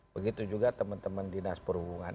begitu juga teman teman dinas perhubungan